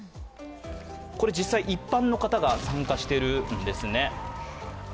これ、実際、一般の方が参加してるんですね。